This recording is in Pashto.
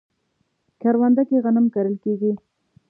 کرونده کې غنم کرل کیږي